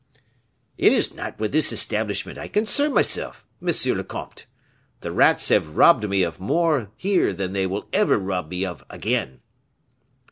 "It is not with this establishment I concern myself, monsieur le comte. The rats have robbed me of more here than they will ever rob me of again."